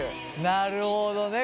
なるほどね。